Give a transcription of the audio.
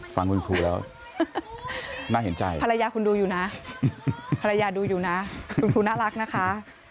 ฟังคุณครูแล้วน่าเห็นใจภรรยาคุณดูอยู่นะภรรยาดูอยู่นะคุณครูน่ารักนะคะ